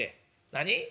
何？